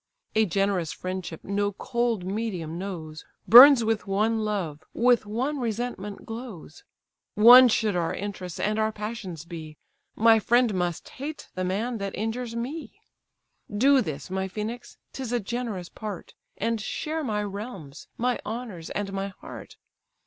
A generous friendship no cold medium knows, Burns with one love, with one resentment glows; One should our interests and our passions be; My friend must hate the man that injures me. Do this, my Phœnix, 'tis a generous part; And share my realms, my honours, and my heart.